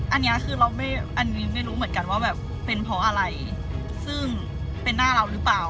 อันนี้คือเราไม่อันนี้ไม่รู้เหมือนกันว่าแบบเป็นเพราะอะไรซึ่งเป็นหน้าเราหรือเปล่า